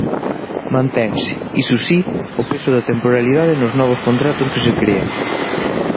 Mantense, iso si, o peso da temporalidade nos novos contratos que se crean.